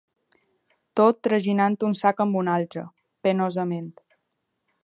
Tot traginant un sac amb un altre, penosament